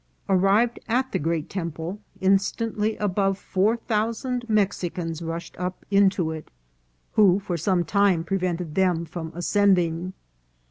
Arrived at the great temple, instantly above four thousand Mexicans rushed up into it, who for some time prevented them from ascending.